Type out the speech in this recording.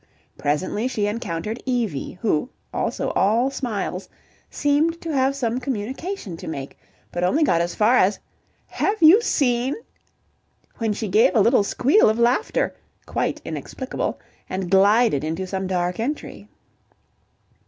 Presently she encountered Evie, who, also all smiles, seemed to have some communication to make, but only got as far as "Have you seen" when she gave a little squeal of laughter, quite inexplicable, and glided into some dark entry.